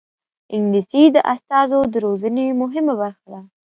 انګلیسي د استازو د روزنې مهمه برخه ده